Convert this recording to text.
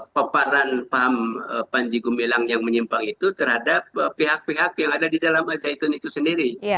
paparan paham panji gumilang yang menyimpang itu terhadap pihak pihak yang ada di dalam al zaitun itu sendiri